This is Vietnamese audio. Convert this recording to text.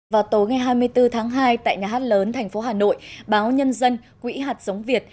vào tối ngày hai mươi bốn tháng hai tại nhà hát lớn thành phố hà nội báo nhân dân quỹ hạt giống việt